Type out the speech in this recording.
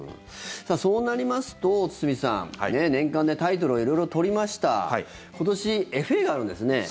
そうなりますと堤さん年間でタイトルを色々取りました今年、ＦＡがあるんですね。